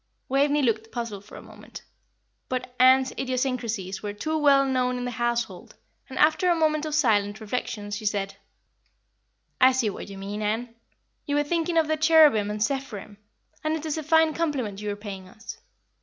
Waveney looked puzzled for a moment; but Ann's idiosyncrasies were too well known in the household, and after a moment of silent reflection she said, "I see what you mean, Ann. You were thinking of the cherubim and seraphim, and it is a fine compliment you are paying us."